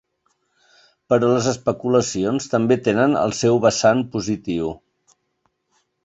Però les especulacions també tenen el seu vessant positiu.